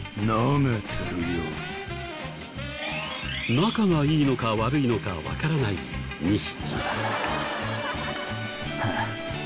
仲がいいのか悪いのかわからない２匹。